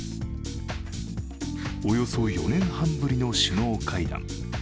およそ４年半ぶりの首脳会談。